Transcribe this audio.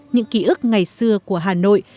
những ký ức ngày xưa của hà nội